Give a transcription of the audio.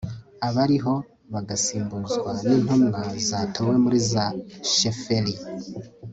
abariho bagasimbuzwa n'intumwa zatowe muri za sheferi